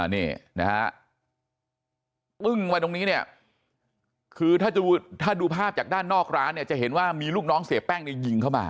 นี่นะฮะปึ้งไว้ตรงนี้เนี่ยคือถ้าดูภาพจากด้านนอกร้านเนี่ยจะเห็นว่ามีลูกน้องเสียแป้งในยิงเข้ามา